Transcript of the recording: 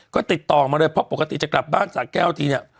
ก็ติดต่อมาเลยเพราะปกติจะกลับบ้านสะแก้วทีเนี่ย